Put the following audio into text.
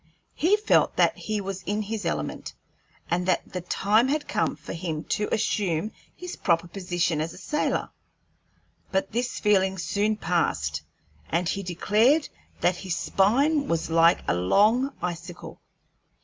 He felt that he was in his element, and that the time had come for him to assume his proper position as a sailor; but this feeling soon passed, and he declared that his spine was like a long icicle.